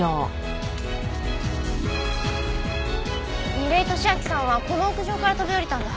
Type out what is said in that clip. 楡井敏秋さんはこの屋上から飛び降りたんだ。